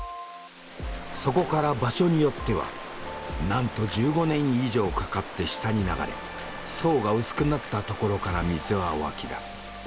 そこから場所によってはなんと１５年以上かかって下に流れ層が薄くなったところから水は湧き出す。